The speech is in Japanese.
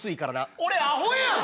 俺アホやん。